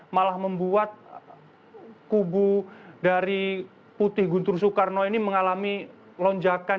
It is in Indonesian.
malah membuat kubu dari putih guntur soekarno ini mengalami lonjakan